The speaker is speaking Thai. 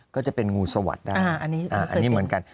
ก็จะเป็นงูสวัสดิ์ได้อันนี้เหมือนกัน